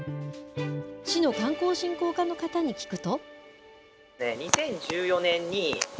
市の観光振興課の方に聞くと。